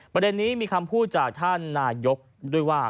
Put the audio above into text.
ประเด็นนี้มีคำพูดจากท่านนายกด้วยว่า